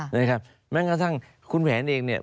เหนื่องจากถ้าคุณแผนเองเนี่ย